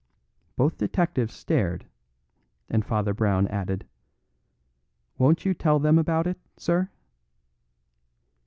Both detectives stared, and Father Brown added: "Won't you tell them about it, sir?"